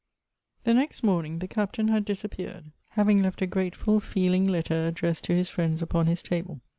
THE next morning the Captain had disappeared, having left a grateful, feeling letter addressed to his friends upon his table.